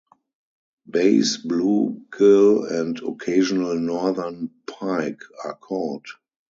Bass, bluegill and occasional northern pike are caught.